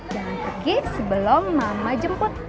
jangan pergi sebelum mama jemput